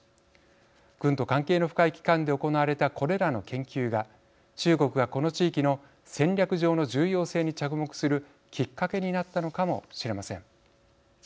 軍と関係の深い機関で行われたこれらの研究が中国がこの地域の戦略上の重要性に着目するきっかけになったのかもしれません。